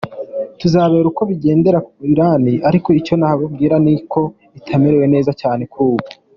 "Tuzareba uko bigendekera Iran, ariko icyo nababwira ni uko itamerewe neza cyane kuri ubu".